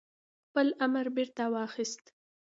خپل امر بيرته واخيست